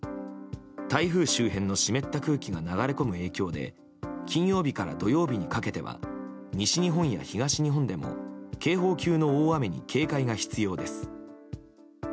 台風周辺の湿った空気が流れ込む影響で金曜日から土曜日にかけては西日本や東日本でも警報級の大雨に警戒が必要です。